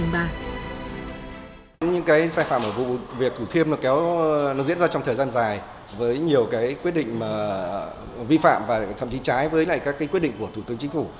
những cái sai phạm ở vụ việc thủ thiêm nó kéo nó diễn ra trong thời gian dài với nhiều cái quyết định vi phạm và thậm chí trái với các quyết định của thủ tướng chính phủ